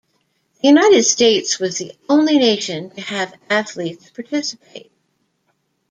The United States was the only nation to have athletes participate.